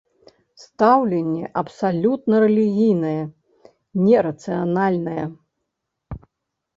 Стаўленне абсалютна рэлігійнае, не рацыянальнае!